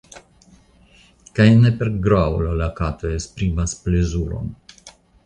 Kaj ne per graŭlo la katoj esprimas plezuron.